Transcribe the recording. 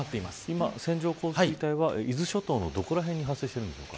今、線状降水帯は伊豆諸島のどこら辺に発生してるんですか。